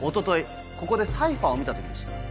ここでサイファーを見た時でした。